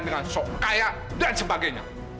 dengan sokaya dan sebagainya